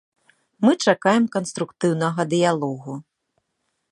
Мы чакаем канструктыўнага дыялогу.